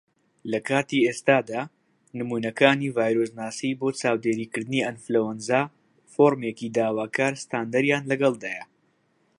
لە کاتی ئێستادا، نمونەکانی ڤایرۆسناسی بۆ چاودێریکردنی ئەنفلوەنزا فۆرمێکی داواکار ستاندەریان لەگەڵدایە.